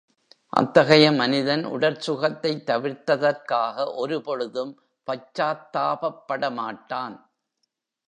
அத்தகைய மனிதன் உடற் சுகத்தைத் தவிர்த்ததற்காக ஒரு பொழுதும் பச்சாத்தாபப்படமாட்டான்.